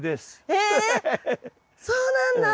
えっそうなんだ！